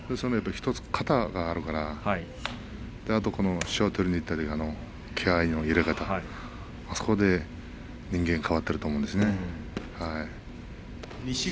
１つ、型があるから塩を取りに行ったときの気合いの入れ方とかそこで人間が変わっていると思うんですね。